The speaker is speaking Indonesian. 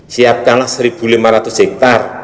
siapkanlah satu lima ratus hektare